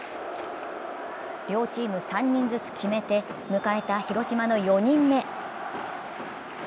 両チーム３人ずつ決めて迎えた広島の４人目。